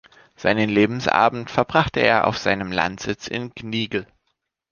Seinen Lebensabend verbrachte er auf seinem Landsitz in Gnigl.